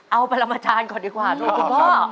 เอาไปลำบัจรรย์ก่อนดีกว่าดูปุ่นพ่อ